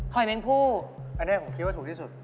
อยเม้งผู้อันนี้ผมคิดว่าถูกที่สุด